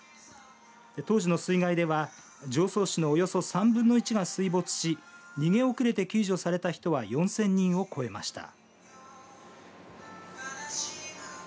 当時の水害では常総市のおよそ３分の１が水没し逃げ遅れて救助された人は４０００人を超えました。